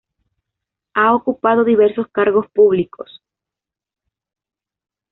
Ha ocupado diversos cargos públicos.